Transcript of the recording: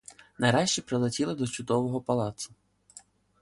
Нарешті прилетіли до чудового палацу.